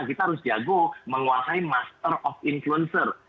kita harus jago menguasai master of influencer